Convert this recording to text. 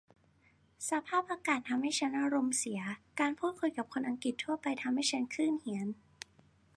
สภาพอากาศทำให้ฉันอารมณ์เสีย การพูดคุยกับคนอังกฤษทั่วไปทำให้ฉันคลื่นเหียน